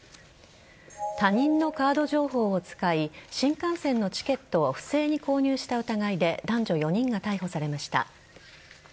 他人のカード情報を使い新幹線のチケットを不正に購入した疑いで男女４人が逮捕されました。